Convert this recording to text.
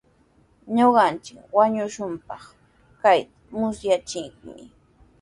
Ñuqanchik wañushunpaq kaqta musyanchikmi.